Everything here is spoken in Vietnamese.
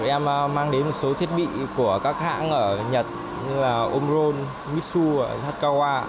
em mang đến một số thiết bị của các hãng ở nhật như là omron mitsubishi hachikawa